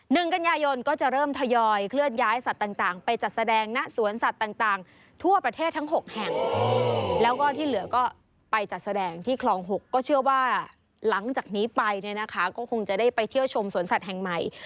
หนึ่งกันยายนก็จะเริ่มทยอยเคลื่อนย้ายสัตว์ต่างต่างไปจัดแสดงณสวนสัตว์ต่างต่างทั่วประเทศทั้งหกแห่งแล้วก็ที่เหลือก็ไปจัดแสดงที่คลองหกก็เชื่อว่าหลังจากนี้ไปเนี่ยนะคะก็คงจะได้ไปเที่ยวชมสวนสัตว์แห่งใหม่